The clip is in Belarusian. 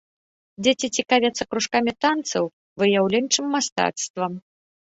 Дзеці цікавяцца кружкамі танцаў, выяўленчым мастацтвам.